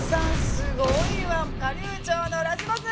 すごい火竜町のラスボス！